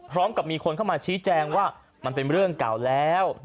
พร้อมกับมีคนเข้ามาชี้แจงว่ามันเป็นเรื่องเก่าแล้ว